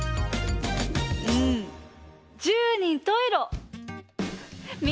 うん十人十色。